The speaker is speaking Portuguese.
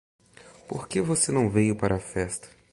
Por que você não veio para a festa?